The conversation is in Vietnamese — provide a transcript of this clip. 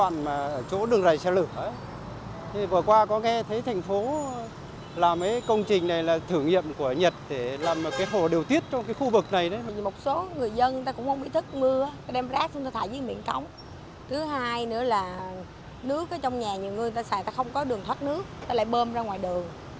nước ở trong nhà nhiều người ta xài ta không có đường thoát nước ta lại bơm ra ngoài đường